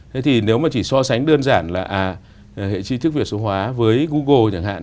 thế thì nếu mà chỉ so sánh đơn giản là hệ thức việc số hóa với google chẳng hạn